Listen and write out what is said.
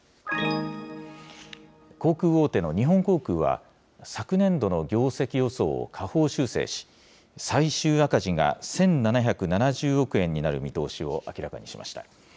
航空大手の日本航空は、昨年度の業績予想を下方修正し、最終赤字が１７７０億円になる見通しを明らかにしました。